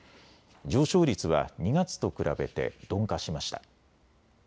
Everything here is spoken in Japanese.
上昇率は２月と比べて鈍化しました。